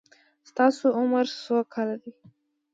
ستاسو عمر څو کاله دی؟